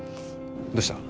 どうした？